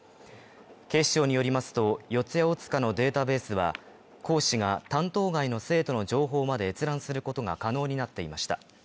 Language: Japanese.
警視庁によりますと、四谷大塚のデータベースは、講師が担当外の生徒の情報まで閲覧することが可能になっていました。